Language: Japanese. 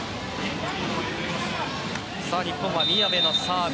日本は宮部のサーブ。